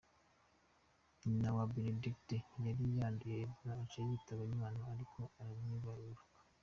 Nyina wa Benedicte yari yanduye Ebola aca yitaba Imana ariko aramwibaruka.